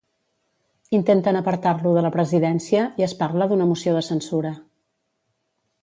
Intenten apartar-lo de la presidència i es parla d'una moció de censura.